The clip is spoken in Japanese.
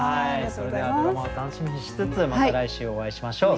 それではドラマを楽しみにしつつまた来週お会いしましょう。